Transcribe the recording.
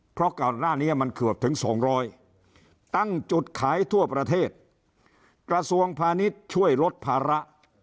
เพราะก่อนหน้านี้มันเกือบถึงสองร้อยตั้งจุดขายทั่วประเทศกระทรวงพาณิชย์ช่วยลดภาระ